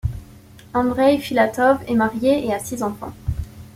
Andreï Filatov est marié et a six enfants.